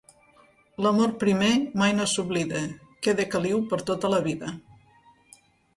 L'amor primer mai no s'oblida: queda caliu per tota la vida.